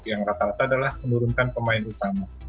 yang rata rata adalah menurunkan pemain utama